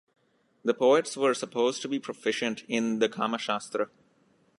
The poets were supposed to be proficient in the Kamashastra.